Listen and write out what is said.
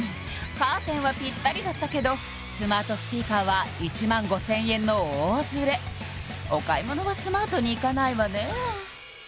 カーテンはピッタリだったけどスマートスピーカーは１５０００円の大ズレお買い物はスマートにいかないわね